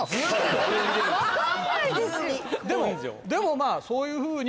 でもまあそういうふうに。